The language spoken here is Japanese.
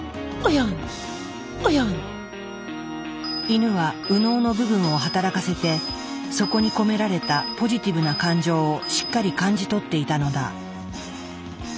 イヌは右脳の部分を働かせてそこに込められたポジティブな感情をしっかり感じ取っていたのだ。